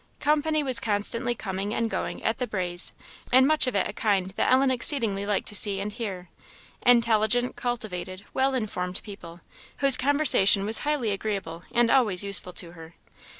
Company was constantly coming and going at "the Braes," and much of it a kind that Ellen exceedingly liked to see and hear; intelligent, cultivated, well informed people, whose conversation was highly agreeable and always useful to her.